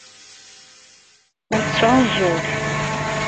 Ur tesɛuẓẓug.